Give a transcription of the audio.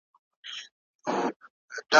يوازې مثبتې تجربې په خپل هېواد کي پلې کړئ.